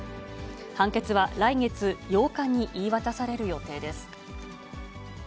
判決は来月８日に言い渡される予定です。